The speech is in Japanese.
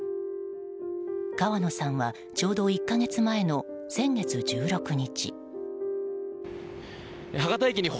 川野さんはちょうど１か月前の先月１６日。